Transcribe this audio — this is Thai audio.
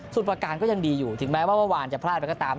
ประการก็ยังดีอยู่ถึงแม้ว่าเมื่อวานจะพลาดไปก็ตาม